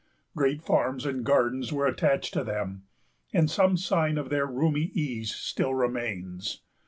Great farms and gardens were attached to them, and some sign of their roomy ease still remains.